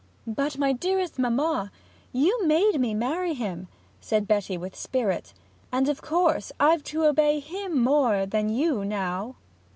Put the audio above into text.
'But, my dearest mamma, you made me marry him!' says Betty with spirit, 'and of course I've to obey him more than you now!'